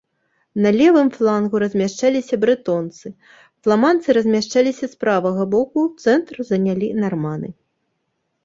На левым флангу размяшчаліся брэтонцы, фламандцы размяшчаліся з правага боку, цэнтр занялі нарманы.